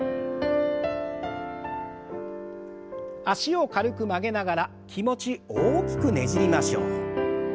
脚を軽く曲げながら気持ち大きくねじりましょう。